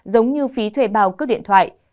giống như phí thuê bào cước điện thoại